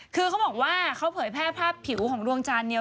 คือเขาบอกว่าเขาเผยแพร่ภาพผิวของดวงจานเนี่ย